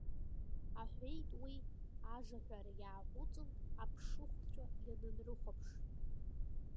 Аҳәеит уи, ажаҳәара иааҟәыҵын, аԥшыхәцәа ианынрыхәаԥш.